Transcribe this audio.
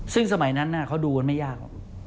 ซึ่งสมัยนั้นน่ะเขาดูมันไม่ยาก